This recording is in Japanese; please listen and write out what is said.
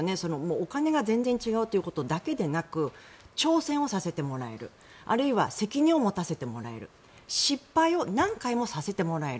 お金が全然違うということだけでなく挑戦をさせてもらえるあるいは責任を持たせてもらえる失敗を何回もさせてもらえる。